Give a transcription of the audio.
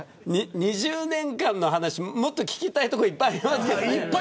２０年間の話もっと聞きたいこといっぱいありますよね。